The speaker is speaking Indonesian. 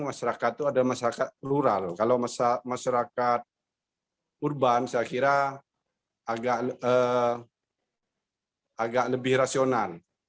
masyarakat rural kalau masyarakat urban saya kira agak lebih rasional